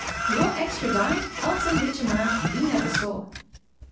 Your extra dime helps enrich a man you never saw.